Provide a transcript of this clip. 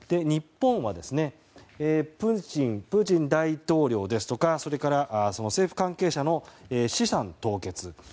日本はプーチン大統領ですとか政府関係者の資産凍結。